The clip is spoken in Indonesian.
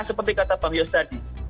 seperti kata bang yos tadi